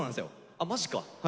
あマジか。